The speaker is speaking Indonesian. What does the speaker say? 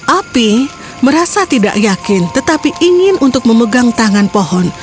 api merasa tidak yakin tetapi ingin untuk memegang tangan pohon